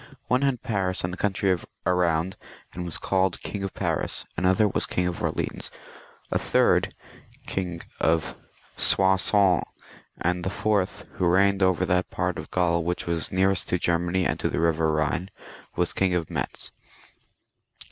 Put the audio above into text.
One had Paris and the country round, and was called King of Paris, another was King of Orleans, a third King of Soissons, and the fourth, who reigned over that part of Gktul which was nearest to Germany and to the river Ehine, was King of Metz.